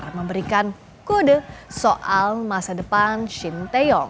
memberikan kode soal masa depan shin taeyong